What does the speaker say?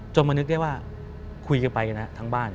มานึกได้ว่าคุยกันไปนะทั้งบ้าน